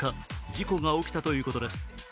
事故が起きたということです。